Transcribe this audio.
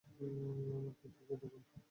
আমার দিকে দেখুন।